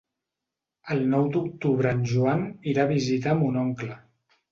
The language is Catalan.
El nou d'octubre en Joan irà a visitar mon oncle.